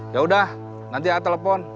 yaudah nanti a telepon